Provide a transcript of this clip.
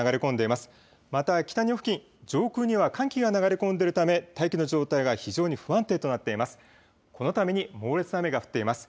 また北日本付近、上空には寒気が流れ込んでいるため大気の状態が非常に不安定となっています。